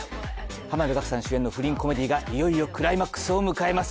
濱田岳さん主演の不倫コメディがいよいよクライマックスを迎えます。